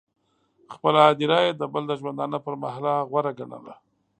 خپله هدیره یې د بل د ژوندانه پر محله غوره ګڼله.